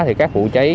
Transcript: thì các vụ cháy